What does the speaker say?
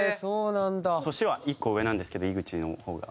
年は１個上なんですけど井口の方が。